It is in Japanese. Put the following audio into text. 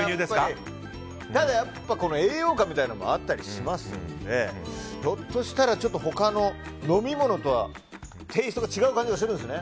ただ、栄養価みたいなのもあったりしますしひょっとしたら、他の飲物とはテイストが違う感じがします。